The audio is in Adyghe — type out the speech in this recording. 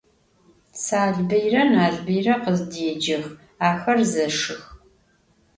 Salbıyre Nalbıyre khızdêcex, axer zeşşıx.